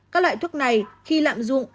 các loại thuốc này khi lạm dụng